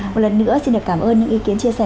một lần nữa xin được cảm ơn những ý kiến chia sẻ